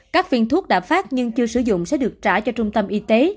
các viên thuốc đã phát nhưng chưa sử dụng sẽ được trả cho trung tâm y tế